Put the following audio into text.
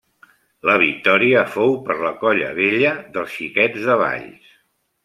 La victòria fou per la Colla Vella dels Xiquets de Valls.